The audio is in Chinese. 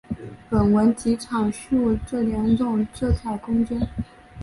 本文即阐述这两种色彩空间。